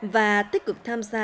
và tích cực tham gia